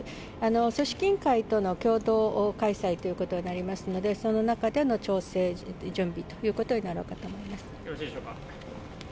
組織委員会との共同開催ということになりますので、その中での調整、準備ということになろうかと思います。